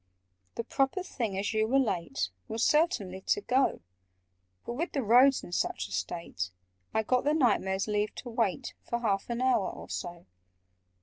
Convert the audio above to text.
"The proper thing, as you were late, Was certainly to go: But, with the roads in such a state, I got the Knight Mayor's leave to wait For half an hour or so."